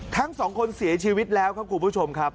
ทั้งสองคนเสียชีวิตแล้วครับคุณผู้ชมครับ